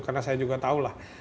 karena saya juga tahu lah